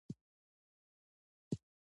ورور ته ته مهم یې.